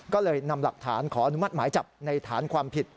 ก็เลยนำหลักฐานขออนุมัติหมายจับในฐานความผิด